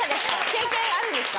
経験あるんですか？